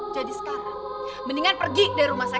jadi sekarang mendingan pergi dari rumah saya